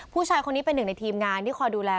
ผู้ชายคนนี้เป็นหนึ่งในทีมงานที่คอยดูแล